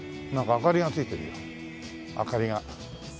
明かりが。